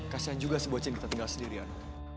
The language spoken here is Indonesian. kasian juga sih boceng kita tinggal sendirian